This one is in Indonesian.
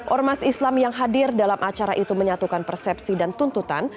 ormas islam yang hadir dalam acara itu menyatukan persepsi dan tuntutan